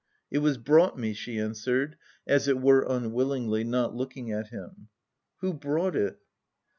"It was brought me," she answered, as it were unwillingly, not looking at him. "Who brought it?"